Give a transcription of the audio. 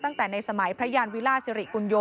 ตั้งแต่ในสมัยพระยานวิล่าสิริกุญโย